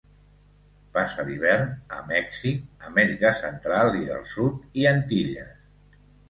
Passa l'hivern a Mèxic, Amèrica Central i del Sud i Antilles.